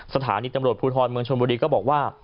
สถานีตำรวจภูทรเมืองชนบุรีก็บอกว่า